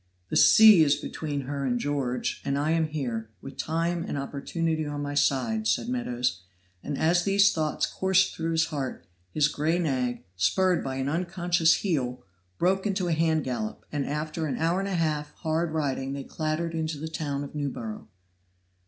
"The sea is between her and George, and I am here, with time and opportunity on my side," said Meadows; and as these thoughts coursed through his heart, his gray nag, spurred by an unconscious heel, broke into a hand gallop, and after an hour and a half hard riding they clattered into the town of Newborough.